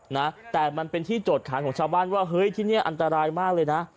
นะแต่มันเป็นที่โจทขายของชาวบ้านว่าเฮ้ยที่นี่อันตรายมากเลยนะ